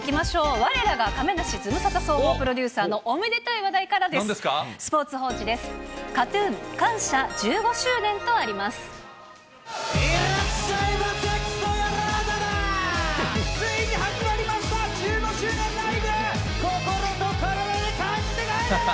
われらが亀梨ズムサタ総合プロデューサーのおめでたい話題からでなんですか？